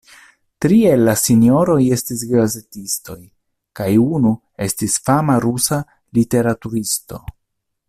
Tri el la sinjoroj estis gazetistoj kaj unu estis fama rusa literaturisto.